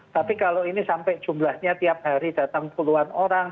tapi kalau ini sampai jumlahnya tiap hari datang puluhan orang